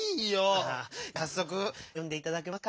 じゃさっそくよんでいただけますか？